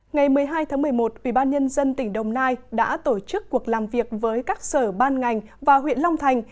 ngày một mươi hai tháng một mươi một ubnd tỉnh đồng nai đã tổ chức cuộc làm việc với các sở ban ngành và huyện long thành